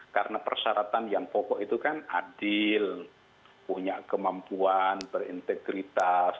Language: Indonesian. karena persyaratan yang pokok itu kan adil punya kemampuan berintegritas